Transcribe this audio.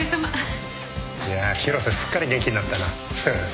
いやぁ広瀬すっかり元気になったなフフッ。